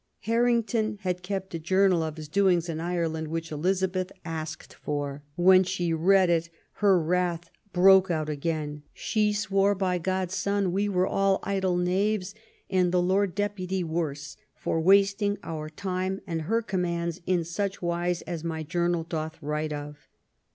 Harrington had kept a journal of his doings in Ireland, which Elizabeth asked for. When she read it her wrath broke out again. " She swore by God's Son we were all idle knaves, and the Lord Deputy worse, for wasting our time and her com mands in such wise as my journal doth write of."